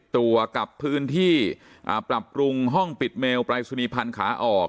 ตัวกับพื้นที่ปรับปรุงห้องปิดเมลปรายศนีพันธ์ขาออก